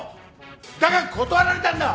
だが断られたんだ！